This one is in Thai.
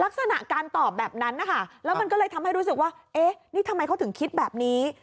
ลักษณะการตอบแบบนั้นนะคะแล้วมันก็เลยทำให้รู้สึกว่าเอ๊ะนี่ทำไมเขาถึงคิดแบบนี้